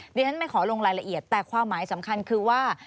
ดิฉันไม่ขอลงรายละเอียดแต่ความหมายสำคัญคือว่า